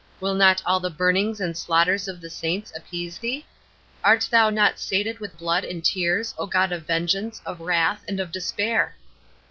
Will not all the burnings and slaughters of the saints appease Thee? Art Thou not sated with blood and tears, O God of vengeance, of wrath, and of despair!